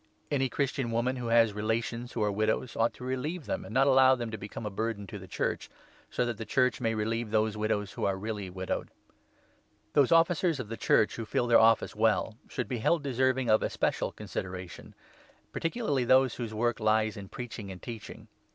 Any 16 Christian woman, who has relations who are widows, ought to relieve them and not allow them to become a burden to the Church, so that the Church may relieve those widows who are really widowed. Asto Those Officers of the Church who fill their 17 the officers office well should be held deserving of especial or the church, consideration, particularly those whose work lies in preaching and teaching.